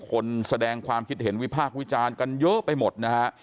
คนแสดงความคิดเห็นวิพากษ์วิจารณ์กันเยอะไปหมดนะฮะ